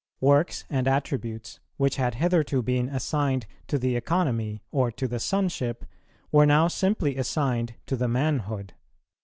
[137:1] Works and attributes, which had hitherto been assigned to the Economy or to the Sonship, were now simply assigned to the Manhood.